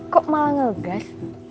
kok malah ngegas